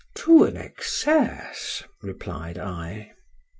—To an excess, replied I.